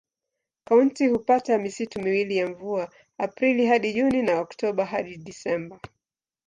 Kaunti hupata misimu miwili ya mvua: Aprili hadi Juni na Oktoba hadi Disemba.